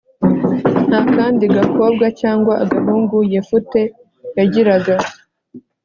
nta kandi gakobwa cyangwa agahungu yefute yagiraga